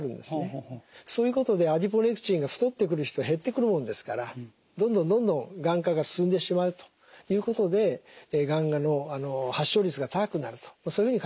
そういうことでアディポネクチンが太ってくる人減ってくるもんですからどんどんどんどんがん化が進んでしまうということでがんの発症率が高くなるとそういうふうに考えられています。